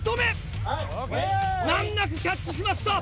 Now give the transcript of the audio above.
なんなくキャッチしました。